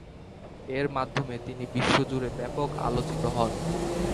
এর মাধ্যমে তিনি বিশ্বজুড়ে ব্যাপক আলোচিত হন।